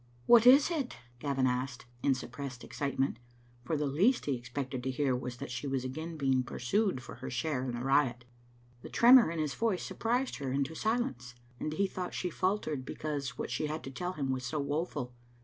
"What is it?" Gavin asked, in suppressed excitement, for the least he expected to hear was that she was again being pursued for her share in the riot. The tremor in his voice surprised her into silence, and he thought she faltered because what she had to tell him was so woeful.